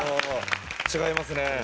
違いますね。